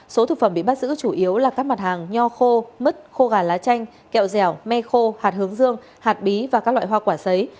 số thực phẩm bị bắt giữ chủ yếu là các mặt hàng nho khô mứt khô gà lá chanh kẹo dẻo me khô hạt hướng dương hạt bí và các loại hoa quả xấy